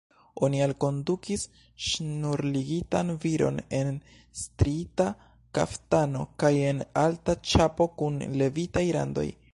Oni alkondukis ŝnurligitan viron en striita kaftano kaj en alta ĉapo kun levitaj randoj.